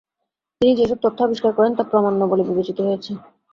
তিনি যে সব তথ্য আবিষ্কার করেন তা প্রামান্য বলে বিবেচিত হয়েছে।